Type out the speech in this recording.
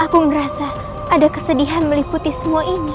aku merasa ada kesedihan meliputi semua ini